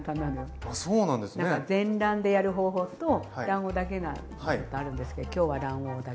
全卵でやる方法と卵黄だけなのとあるんですけど今日は卵黄だけで。